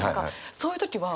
そういう時は？